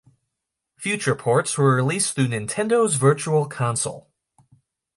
Future ports were released through Nintendo's Virtual Console.